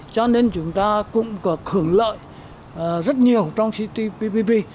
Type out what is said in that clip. cho nên chúng ta cũng có hưởng lợi rất nhiều trong ctpp